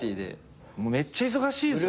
めっちゃ忙しいっすよ